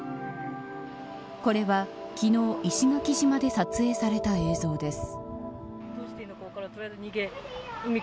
これは、昨日石垣島で撮影された映像です。